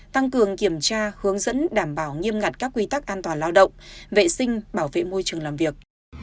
tăng cường kiểm tra hướng dẫn đảm bảo nghiêm ngặt các quy tắc an toàn lao động vệ sinh bảo vệ môi trường làm việc